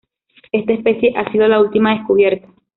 Esta especie ha sido la última descubierta.